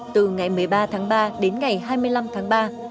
từ ngày một mươi ba tháng ba đến ngày hai mươi năm tháng ba